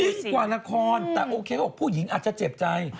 กว่าละครแต่โอเคเขาบอกผู้หญิงอาจจะเจ็บใจ